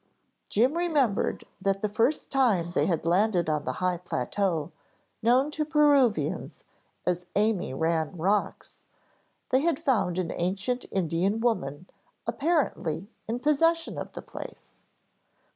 Jim remembered that the first time they had landed on the high plateau, known to Peruvians as Amy Ran Rocks, they had found an ancient Indian woman apparently in possession of the place.